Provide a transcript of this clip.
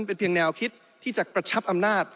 เป็นแนวคิดที่จะประชับอำนาจ